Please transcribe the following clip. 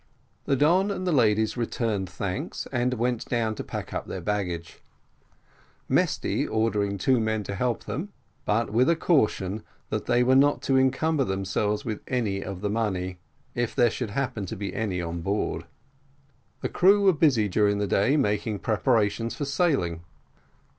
The Don and the ladies returned thanks, and went down to pack up their baggage; Mesty ordering two men to help them, but with a caution, that they were not to encumber themselves with any of the money, if there should happen to be any on board. The crew were busy during the day making preparations for sailing.